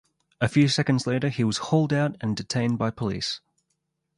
A few seconds later he was hauled out and detained by police.